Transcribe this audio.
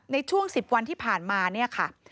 ในช่วง๑๐วันที่ผ่านมา